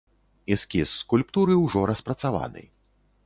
Эскіз скульптуры ўжо распрацаваны.